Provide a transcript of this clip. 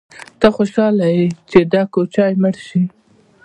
_ته خوشاله يې چې دا کوچۍ مړه شي؟